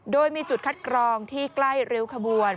โดยมีจุดคัดกรองที่ใกล้ริ้วขบวน